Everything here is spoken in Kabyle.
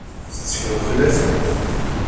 Tettekleḍ fell-asen?